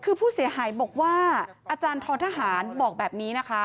คือผู้เสียหายบอกว่าอาจารย์ทรทหารบอกแบบนี้นะคะ